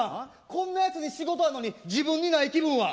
こんなやつに仕事あんのに自分にない気分は？